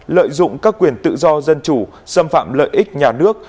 lợi dụng các quyền tự do dân chủ xâm phạm lợi ích nhà nước